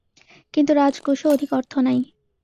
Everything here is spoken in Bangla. কিন্তু রাজকোষে অধিক অর্থ নাই।